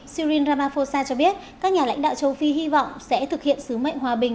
sirin ramaphosa cho biết các nhà lãnh đạo châu phi hy vọng sẽ thực hiện sứ mệnh hòa bình